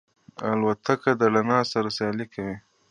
الوتکه د رڼا سره سیالي کوي.